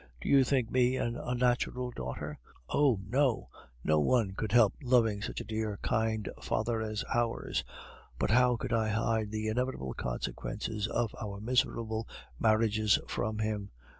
Do you think me an unnatural daughter? Oh! no, no one could help loving such a dear kind father as ours. But how could I hide the inevitable consequences of our miserable marriages from him?